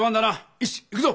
よし行くぞ！